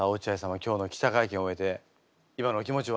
今日の記者会見を終えて今のお気持ちは？